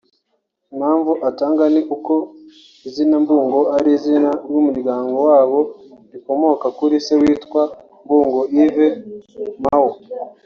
Impamvu atanga ni uko izina Mbungo ari izina ry’umuryango wabo rikomoka kuri se witwa Mbungo Yves Mao